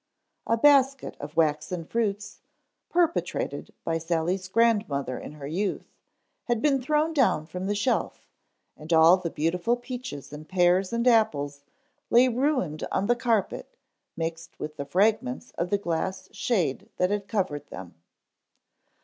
A basket of waxen fruits, perpetrated by Sally's grandmother in her youth, had been thrown down from the shelf, and all the beautiful peaches and pears and apples lay ruined on the carpet mixed with the fragments of the glass shade that had covered them.